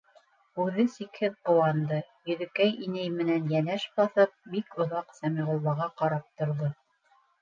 Үҙе сикһеҙ ҡыуанды, Йөҙөкәй инәй менән йәнәш баҫып, бик оҙаҡ Сәмиғуллаға ҡарап торҙо.